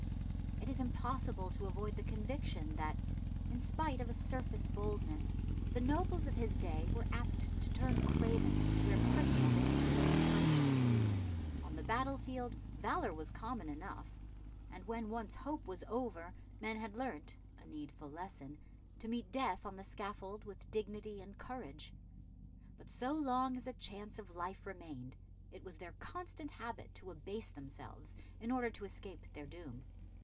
It is impossible to avoid the conviction that, in spite of a surface boldness, the nobles of his day were apt to turn craven where personal danger was in question. On the battlefield valour was common enough, and when once hope was over men had learnt a needful lesson to meet death on the scaffold with dignity and courage. But so long as a chance of life remained, it was their constant habit to abase themselves in order to escape their doom.